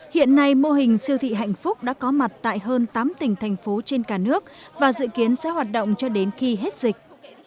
hiện nay mô hình siêu thị hạnh phúc đã có mặt tại hơn tám tỉnh thành phố trên cả nước và dự kiến sẽ hoạt động cho đến khi hết dịch